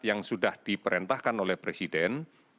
yang sudah diperintahkan oleh presiden